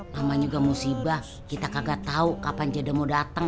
lama juga musibah kita kagak tau kapan jadi mau dateng